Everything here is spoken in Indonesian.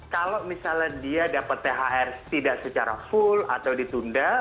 kalau misalnya dia dapat thr tidak secara full atau ditunda